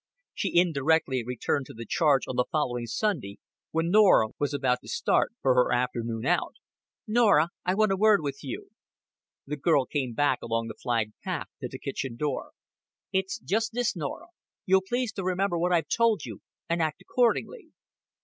She indirectly returned to the charge on the following Sunday, when Norah was about to start for her afternoon out. "Norah, I want a word with you." The girl came back along the flagged path to the kitchen door. "It's just this, Norah. You'll please to remember what I've told you, and act accordingly."